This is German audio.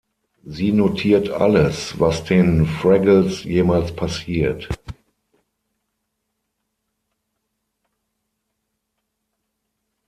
Sie notiert alles, was den Fraggles jemals passiert.